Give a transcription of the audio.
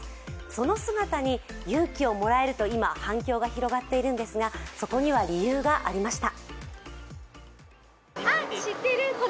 その姿に勇気をもらえると今、反響が広がっているんですがそこには理由がありました。